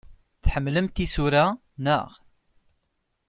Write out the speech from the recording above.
Tḥemmlemt isura, naɣ?